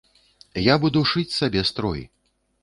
Я буду шыць сабе строй!